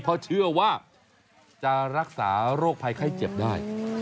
เพราะเชื่อว่าจะรักษาโรคภัยไข้เจ็บได้